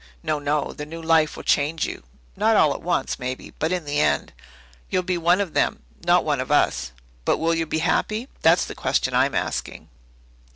No, no, the new life will change you; not all at once, maybe, but in the end. You'll be one of them, not one of us. But will you be happy? That's the question I'm asking."